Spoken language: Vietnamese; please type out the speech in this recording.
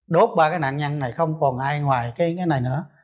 đốt ba cái nạn nhân này không còn ai ngoài cái này nữa